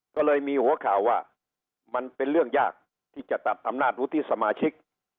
ก็เลยมีหัวข่าวว่ามันเป็นเรื่องยากที่จะตัดอำนาจวุฒิสมาชิก